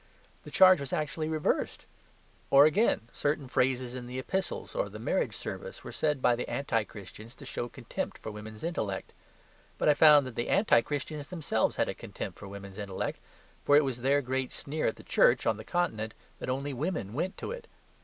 The charge was actually reversed. Or, again, certain phrases in the Epistles or the marriage service, were said by the anti Christians to show contempt for woman's intellect. But I found that the anti Christians themselves had a contempt for woman's intellect; for it was their great sneer at the Church on the Continent that "only women" went to it.